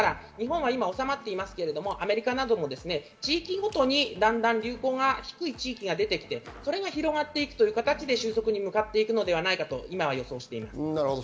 日本は今、収まっていますが、アメリカなども地域ごとにだんだん流行が低い地域が出てきて、それが広がっていくという形で収束に向かっていくのではないかと今、予測しています。